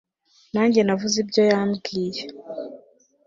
nanjye navuze ibyo yambwiye